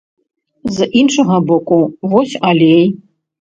З іншага боку, вось алей.